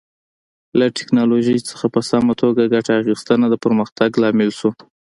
له ټکنالوژۍ څخه په سمه توګه ګټه اخیستنه د پرمختګ لامل شو.